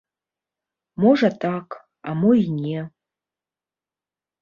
Можа так, а мо й не.